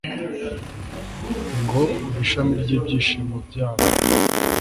ngo uri ishami ry'ibyishimo byabo